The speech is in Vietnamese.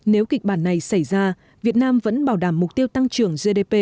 nếu kịch bản này xảy ra việt nam vẫn bảo đảm mục tiêu tăng trưởng gdp